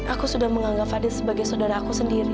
aku sudah menganggap fadil sebagai saudara aku sendiri